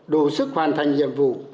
đủ sức hoàn thành nhiệm vụ